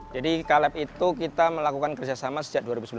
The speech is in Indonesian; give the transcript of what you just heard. jadi kaleb itu kita melakukan kerjasama sejak dua ribu sembilan belas